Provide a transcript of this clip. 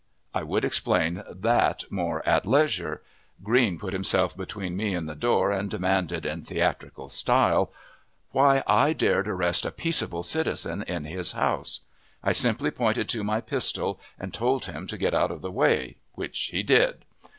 I would explain that more at leisure. Green put himself between me and the door, and demanded, in theatrical style, why I dared arrest a peaceable citizen in his house. I simply pointed to my pistol, and told him to get out of the way, which he did.